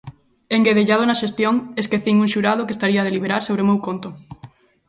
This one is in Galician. Enguedellado na xestión, esquecín un xurado que estaría a deliberar sobre o meu conto.